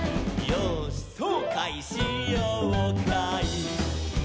「よーしそうかいしようかい」